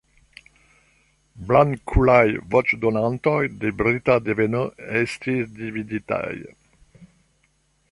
Blankulaj voĉdonantoj de brita deveno estis dividitaj.